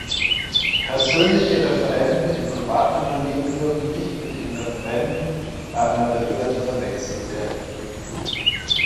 Persönliche Referenten in Privatunternehmen dürfen nicht mit den Referenten bei einer Behörde verwechselt werden.